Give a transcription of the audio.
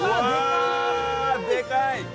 でかい！